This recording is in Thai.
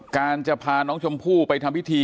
การจะพาน้องชมพู่ไปทำพิธี